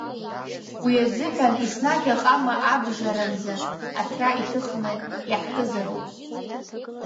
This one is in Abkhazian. Уи изыҳәан еснагь аҟама абжаранӡа аҭра иҭыхны иаҳкызароуп.